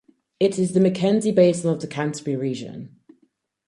It is in the Mackenzie Basin of the Canterbury region.